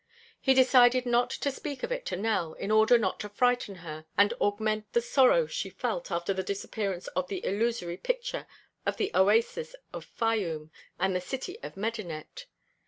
He decided not to speak of it to Nell in order not to frighten her and augment the sorrow she felt after the disappearance of the illusory picture of the oasis of Fayûm and the city of Medinet.